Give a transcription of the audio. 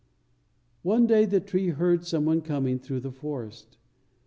One day the tree heard some one coming through the forest.